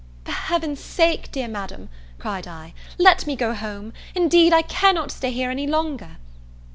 "For Heaven's sake, dear Madam," cried I, "let me go home; indeed I cannot stay here any longer."